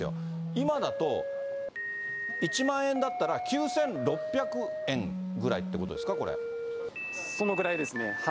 今だと、１万円だったら、９６００円ぐらいってことですか、そのくらいですね。